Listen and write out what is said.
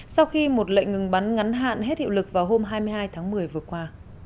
sau khi một lệnh ngừng bắn ngắn hạn hết hiệu lực vào hôm hai mươi hai tháng một mươi vừa qua